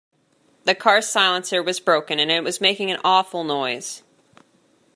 The car’s silencer was broken, and it was making an awful noise